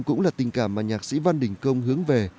cũng là tình cảm mà nhạc sĩ văn đình công hướng về